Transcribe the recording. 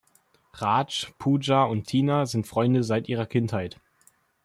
Raj, Pooja und Tina sind Freunde seit ihrer Kindheit.